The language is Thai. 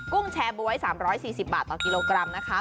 ุ้งแชร์บ๊วย๓๔๐บาทต่อกิโลกรัมนะคะ